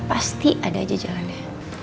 pasti ada aja jalannya